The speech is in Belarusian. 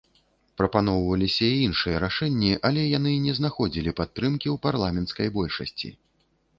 Прапаноўваліся і іншыя рашэнні, але яны не знаходзілі падтрымкі ў парламенцкай большасці.